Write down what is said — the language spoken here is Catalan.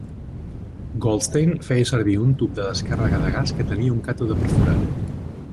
Goldstein feia servir un tub de descàrrega de gas que tenia un càtode perforat.